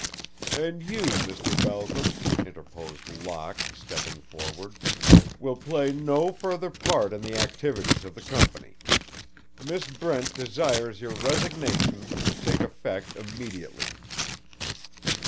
"And you, Mr. Balcom," interposed Locke, stepping forward, "will play no further part in the activities of the company. Miss Brent desires your resignation, to take effect immediately."